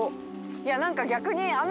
いやなんか逆に。